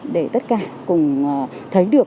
để tất cả cùng thấy được